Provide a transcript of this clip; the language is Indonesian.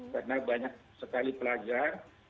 karena banyak sekali pelajar